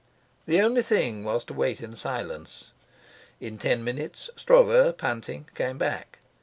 The only thing was to wait in silence. In ten minutes Stroeve, panting, came back.